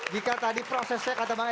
jika tadi prosesnya kata bang e